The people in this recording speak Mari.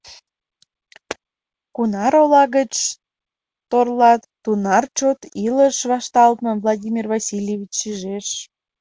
Кунар ола гыч торлат, тунар чот илыш вашталтмым Владимир Васильевич шижеш.